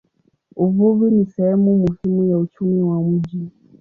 Uvuvi ni sehemu muhimu ya uchumi wa mji.